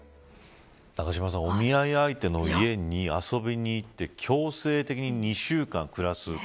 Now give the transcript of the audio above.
永島さん、お見合い相手の家に遊びに行って強制的に２週間暮らす。